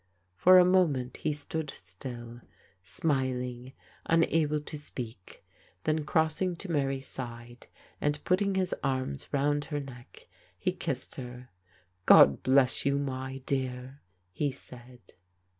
For a moment he stood still, smiling, unable to speak. Then, crossing to Mary's side and putting his arms round her neck, he kissed her. " God bless you, my dear," he said.